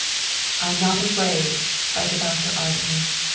" I am not afraid," cried the doctor ardently.